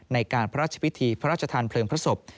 ในการพระราชพิธีพระราชทานเพลิงพระศพ